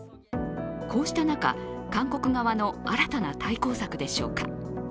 こうした中、韓国側の新たな対抗策でしょうか。